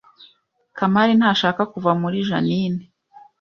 Kamari ntashaka kuva muri Jeaninne